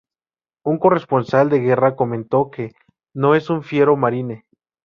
Un corresponsal de guerra comentó que "no es un fiero marine.